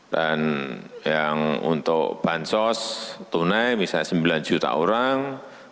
dan yang untuk bansos tunai misalnya sembilan juta orang